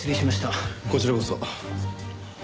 こちらこそ。